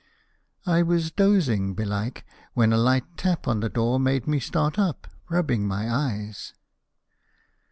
I was dozing, belike, when a light tap on the door made me start up, rubbing my eyes.